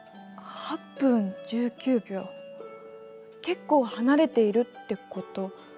８分１９秒結構離れているってこと。